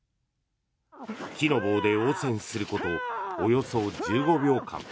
木の棒で応戦することおよそ１５秒間。